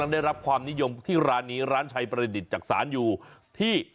ได้รับความนิยมที่ร้านนี้ร้านชัยประดิษฐ์จักษานอยู่ที่